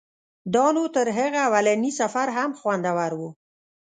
دا نو تر هغه اولني سفر هم خوندور و.